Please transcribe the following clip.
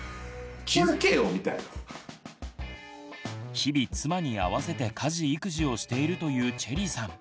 日々妻に合わせて家事育児をしているというチェリーさん。